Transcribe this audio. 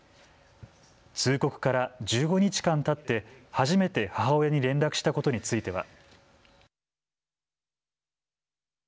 通告から１５日間たって初めて母親に連絡したことについては。